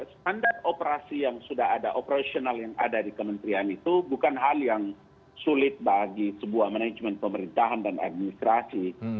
standar operasi yang sudah ada operasional yang ada di kementerian itu bukan hal yang sulit bagi sebuah manajemen pemerintahan dan administrasi